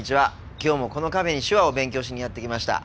今日もこのカフェに手話を勉強しにやって来ました。